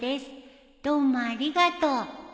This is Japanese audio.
「どうもありがとう」